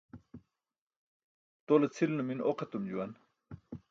Tole cʰil numin oq etum juwan.